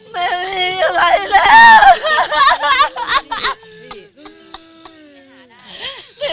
ไม่มีอะไรแล้ว